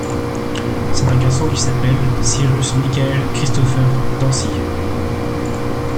C'est un garçon, qui s'appelle Cyrus Michael Christopher Dancy.